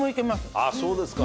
ああそうですか。